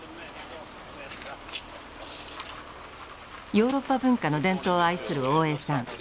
ヨーロッパ文化の伝統を愛する大江さん。